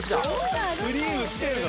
クリーム来てるよ